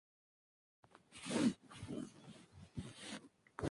Townes fue conocido por sus trabajos sobre la teoría y las aplicaciones del láser.